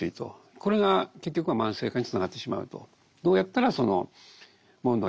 これが結局は慢性化につながってしまうと。